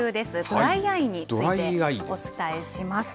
ドライアイについてお伝えします。